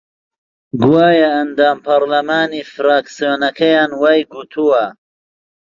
گوایە ئەندام پەرلەمانی فراکسیۆنەکەیان وای گوتووە